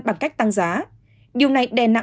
bằng cách tăng giá